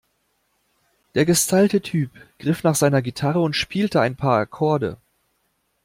Der gestylte Typ griff nach seiner Gitarre und spielte ein paar Akkorde.